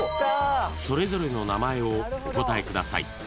［それぞれの名前をお答えください］